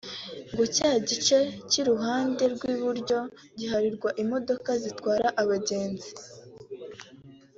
ngo cya gice cy’iruhande rw’iburyo giharirwe imodoka zitwara abagenzi